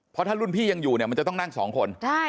เพราะถ้ารุ่นพี่ยังอยู่เนี่ยมันจะต้องนั่งสองคน